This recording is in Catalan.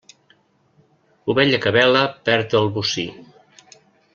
Ovella que bela perd el bocí.